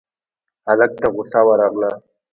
هلک ته غوسه ورغله: